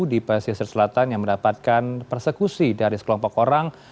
di pesisir selatan yang mendapatkan persekusi dari sekelompok orang